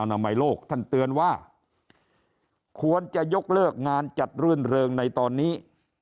นามัยโลกท่านเตือนว่าควรจะยกเลิกงานจัดรื่นเริงในตอนนี้